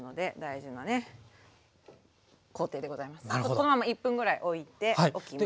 このまま１分ぐらいおいておきます。